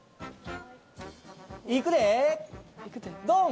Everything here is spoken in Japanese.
いくでー！